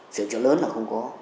sửa chở lớn là không có